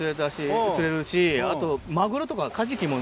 あとマグロとかカジキも。